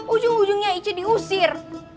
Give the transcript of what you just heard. ujung ujungnya icu diusir